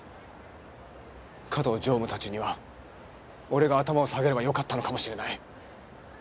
加藤常務たちには俺が頭を下げればよかったのかもしれない。